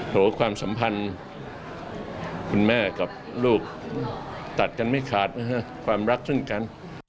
โหความสัมพันธ์คุณแม่กับลูกตัดกันไม่ขาดนะฮะความรักซึ่งกัน